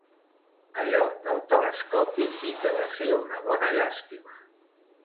Allò del telescopi sí que va ser una bona llàstima.